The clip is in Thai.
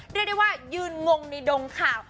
เรียกได้ว่ายืนงงในดงข่าว